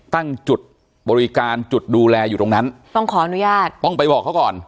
ตั้งจุดบริการจุดดูแลอยู่ตรงนั้นต้องขออนุญาตต้องไปบอกเขาก่อน